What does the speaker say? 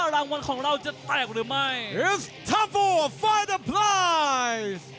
ถึงคู่ที่๒